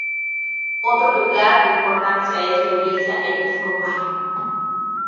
Otro lugar de importancia es la Iglesia Episcopal.